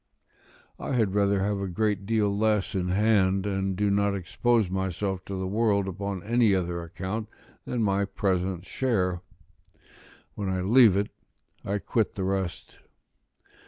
I had rather have a great deal less in hand, and do not expose myself to the world upon any other account than my present share; when I leave it I quit the rest.